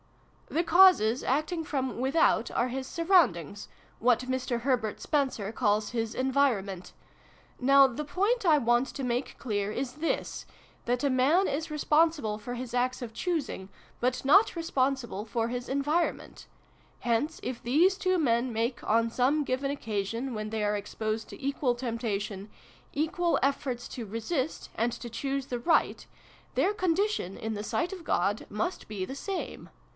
" The causes, acting from without, are his surroundings what Mr. Herbert Spencer calls his ' environment.' Now the point I want to make clear is this, that a man is responsible for his acts of choosing, but not responsible for his environment. Hence, if these two men make, on some given occasion, when they are exposed to equal temptation, equal efforts to resist and to choose the right, their condition, in the sight of God, must be the same.